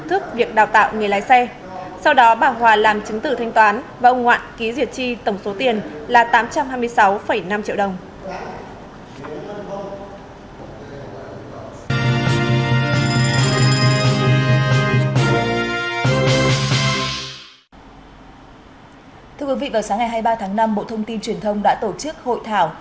thưa quý vị vào sáng ngày hai mươi ba tháng năm bộ thông tin truyền thông đã tổ chức hội thảo